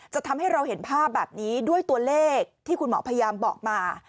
ทำให้เราเห็นภาพแบบนี้ด้วยตัวเลขที่คุณหมอพยายามบอกมา